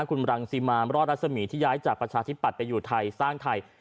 คุณรังสิมารอดรัศมีที่ย้ายจากประชาธิปัตย์ไปอยู่ไทยสร้างไทย